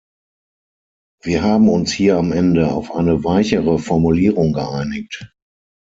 Wir haben uns hier am Ende auf eine weichere Formulierung geeinigt.